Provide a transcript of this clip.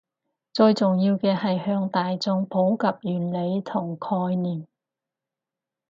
最重要嘅係向大衆普及原理同概念